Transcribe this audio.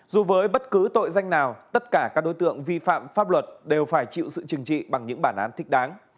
dù với bất cứ tội danh nào tất cả các đối tượng vi phạm pháp luật đều phải chịu sự chừng trị bằng những bản án thích đáng